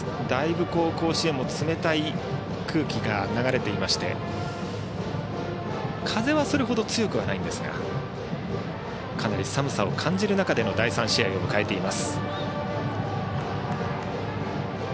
だいぶ甲子園も冷たい空気が流れていまして風はそれほど強くはないんですがかなり寒さを感じる中での第３試合を迎えています。